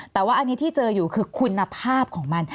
แต่ว่าอันนี้ที่เจออยู่คือคุณภาพของมัน